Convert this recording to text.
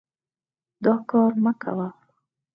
دا کار مه کوه.